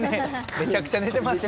めちゃくちゃ寝てますよ。